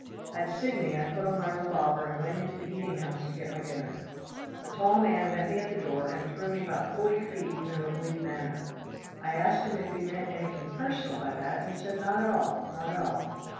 At Sidney I put on my revolver and went into the eating house to get my dinner. A tall man met me at the door and threw me about forty feet in an oblique manner. I asked him if he meant anything personal by that and he said not at all, not at all.